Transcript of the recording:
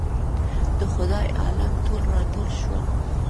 د خدای عالم ټول راټول شول.